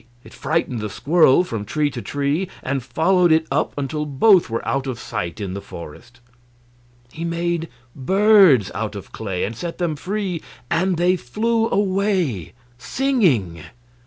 It frightened the squirrel from tree to tree and followed it up until both were out of sight in the forest. He made birds out of clay and set them free, and they flew away, singing.